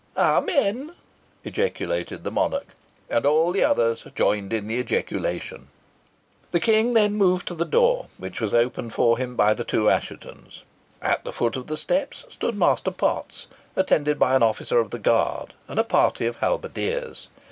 "Amen!" ejaculated the monarch. And all the others joined in the ejaculation. The King then moved to the door, which was opened for him by the two Asshetons. At the foot of the steps stood Master Potts, attended by an officer of the guard and a party of halberdiers.